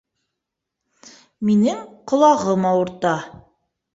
Минең ҡолағым ауырта